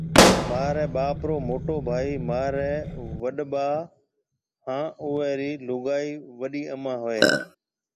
مهاريَ ٻاپ رو موٽو ڀائِي مهاريَ وڏٻا هانَ اُئي رِي لُگائِي وڏِي امان هوئيَ هيَ۔